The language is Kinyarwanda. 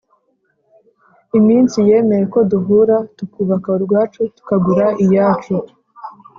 iminsi Yemeye ko duhura Tukubaka urwacu Tukagura iyacu!